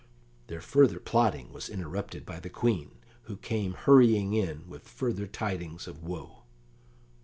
Their further plotting was interrupted by the Queen, who came hurrying in with further tidings of woe.